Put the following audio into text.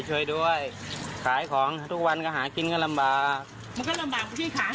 ช่วยด้วยขายของทุกวันก็หากินก็ลำบากมันก็ลำบากที่ขาย